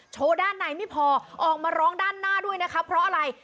ด้านในไม่พอออกมาร้องด้านหน้าด้วยนะคะเพราะอะไร